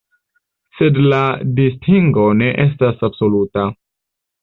Sed la distingo ne estas absoluta.